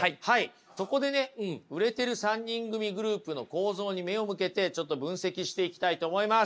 そこでね売れてる３人組グループの構造に目を向けてちょっと分析していきたいと思います。